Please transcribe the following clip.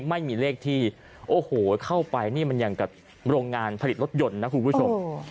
ไม่มีเลขที่โอ้โหเข้าไปนี่มันอย่างกับโรงงานผลิตรถยนต์นะคุณผู้ชม